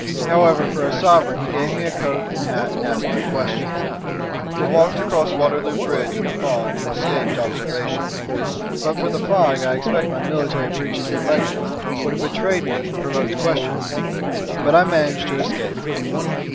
However, for a sovereign he gave me a coat and hat, and asked no questions. I walked across Waterloo Bridge in the fog and escaped observation. But for the fog I expect my military breeches and leggings would have betrayed me and provoked questions. But I managed to escape."